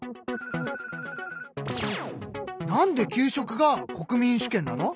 なんで給食が国民主権なの？